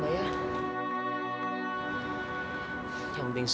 bunyi orangnya terlalu banyak